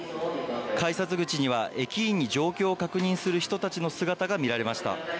改札口には駅員に状況を確認する人たちの姿が見られました。